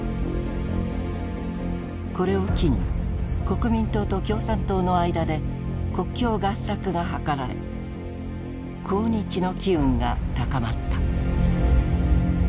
これを機に国民党と共産党の間で国共合作が図られ抗日の機運が高まった。